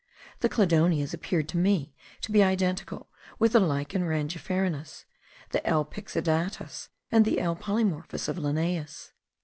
The cladonias appeared to me to be identical with the Lichen rangiferinus, the L. pixidatus, and the L. polymorphus of Linnaeus.